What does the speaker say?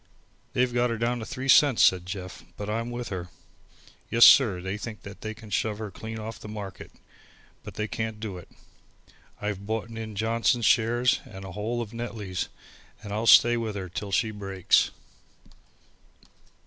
"They've got her down to three cents," said Jeff, "but I'm with her. Yes, sir, they think they can shove her clean off the market, but they can't do it. I've boughten in Johnson's shares, and the whole of Netley's, and I'll stay with her till she breaks."